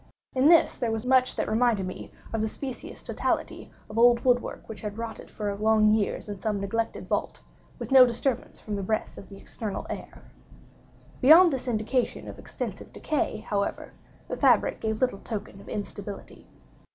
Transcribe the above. In this there was much that reminded me of the specious totality of old wood work which has rotted for long years in some neglected vault, with no disturbance from the breath of the external air. Beyond this indication of extensive decay, however, the fabric gave little token of instability.